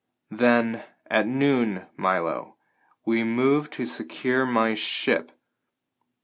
"Then, at noon, Milo, we move to secure my ship!"